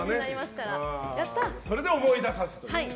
それで思い出させるという。